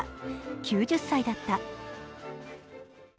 ９０歳だった。